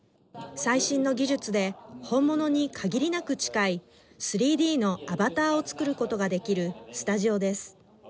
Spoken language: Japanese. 最新の技術で本物に限りなく近い３Ｄのアバターを作ることができるスタジオです。